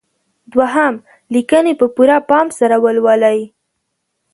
دوهم: لیکنې په پوره پام سره ولولئ.